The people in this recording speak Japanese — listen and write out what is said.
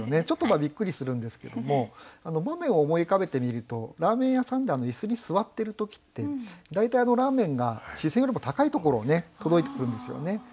ちょっとびっくりするんですけども場面を思い浮かべてみるとラーメン屋さんで椅子に座ってる時って大体ラーメンが視線よりも高いところを届いてくるんですよね。